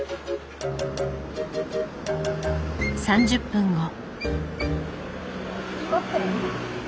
３０分後。